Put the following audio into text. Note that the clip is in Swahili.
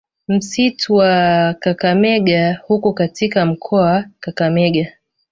Msitu wa Kakamega huko katika mkoa wa Kakamega